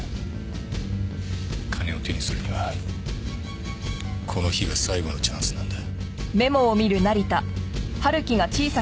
金を手にするにはこの日が最後のチャンスなんだ。